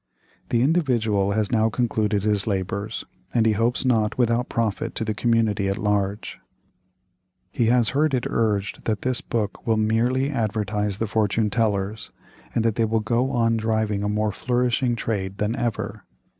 The "Individual" has now concluded his labors, and he hopes not without profit to the community at large. He has heard it urged that this book will merely advertise the fortune tellers, and that they will go on driving a more flourishing trade than ever.